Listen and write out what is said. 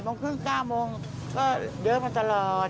๘โมงครึ่ง๙โมงก็เดินไปตลอด